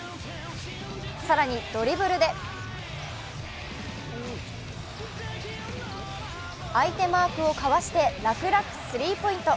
更にドリブルで相手マークをかわして楽々スリーポイント。